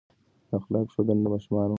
د اخلاقو ښودنه د ماشومانو د پلار دنده ده.